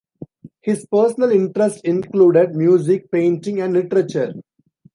His personal interests included music, painting and literature.